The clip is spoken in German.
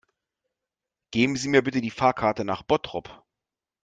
Geben Sie mir bitte die Fahrkarte nach Bottrop